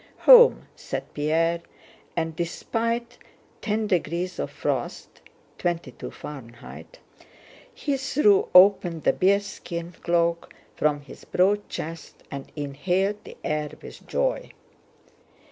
"Home!" said Pierre, and despite twenty two degrees of frost Fahrenheit he threw open the bearskin cloak from his broad chest and inhaled the air with joy.